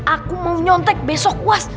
aku mau nyontek besok was